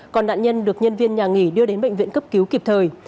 còn nạn nhân được nhân viên nhà nghỉ đưa đến bệnh viện cấp cứu kịp thời